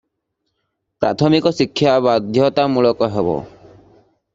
ପ୍ରାଥମିକ ଶିକ୍ଷା ବାଧ୍ୟତାମୂଳକ ହେବ ।